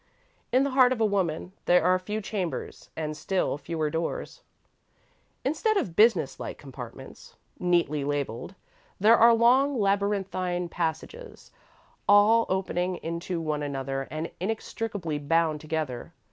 In the heart of a woman there are few chambers and still fewer doors. Instead of business like compartments, neatly labelled, there are long, labyrinthine passages, all opening into one another and inextricably bound together.